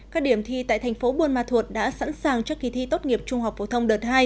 các điểm thi tại thành phố buôn ma thuột đã sẵn sàng cho kỳ thi tốt nghiệp trung học phổ thông đợt hai